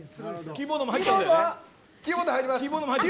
キーボード、入ります。